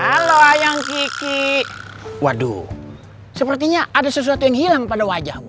kalau ayam kiki waduh sepertinya ada sesuatu yang hilang pada wajahmu